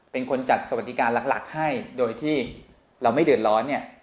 เป็นคนจัดสวัสดิการหลักให้โดยที่เราไม่เดือดร้อนเนี่ย